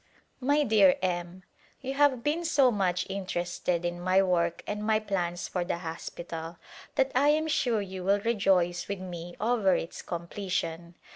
My dear M : You have been so much interested in my work and my plans for the hospital that I am sure you will rejoice with me over its completion.